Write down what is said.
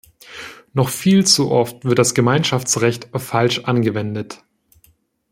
Noch viel zu oft wird das Gemeinschaftsrecht falsch angewendet.